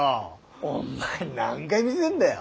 お前何回見せんだよ。